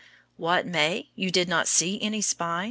What, May? You did not see any spines?